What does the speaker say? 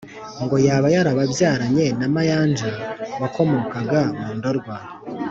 ngo yaba yarababyaranye na Mayanja wakomokaga mu Ndorwa